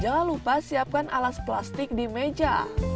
jangan lupa siapkan alas plastik di meja